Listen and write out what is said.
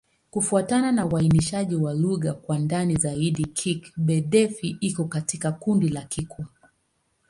Kufuatana na uainishaji wa lugha kwa ndani zaidi, Kigbe-Defi iko katika kundi la Kikwa.